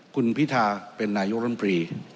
คุณภิษฐาเป็นนายุโรนปรี